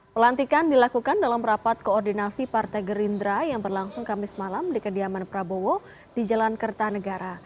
pelantikan dilakukan dalam rapat koordinasi partai gerindra yang berlangsung kamis malam di kediaman prabowo di jalan kertanegara